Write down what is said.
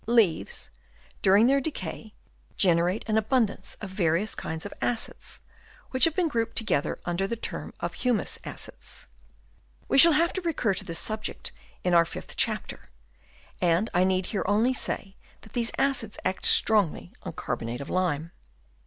Leaves during their e 2 52 HABITS OF WOKMS. Chap. I. decay generate an abundance of various kinds of acids, which have been grouped together under the term of humus acids. We shall have to recur to this subject in our fifth chapter, and I need here only say that these acids act strongly on carbonate of lime.